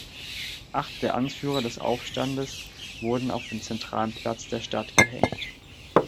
Acht der Anführer des Aufstandes wurden auf dem zentralen Platz der Stadt gehängt.